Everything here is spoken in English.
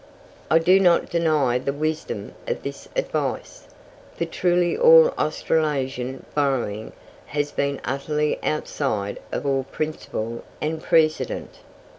I do not deny the wisdom of this advice, for truly all Australasian borrowing has been utterly outside of all principle and precedent.